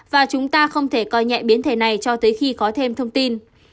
và chúng ta không thể coi nhẹ biến thể này cho tới khi có thêm thông tin